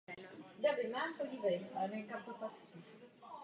Josef Bradáč.